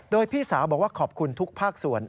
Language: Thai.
โดยพี่สาวบอกว่าขอบคุณทุกภาคส่วน